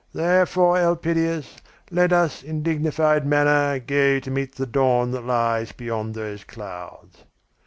Therefore, Elpidias, let us in dignified manner go to meet the dawn that lies beyond those clouds."